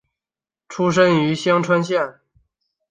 出身于香川县。